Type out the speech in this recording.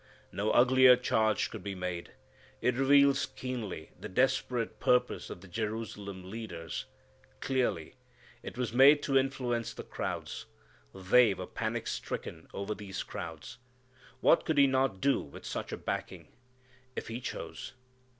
No uglier charge could be made. It reveals keenly the desperate purpose of the Jerusalem leaders. Clearly it was made to influence the crowds. They were panic stricken over these crowds. What could He not do with such a backing, if He chose!